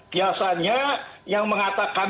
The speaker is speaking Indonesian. biasanya yang mengatakan